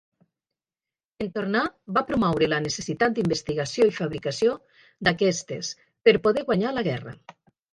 En tornar, va promoure la necessitat d’investigació i fabricació d’aquestes per poder guanyar la guerra.